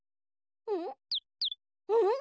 うん？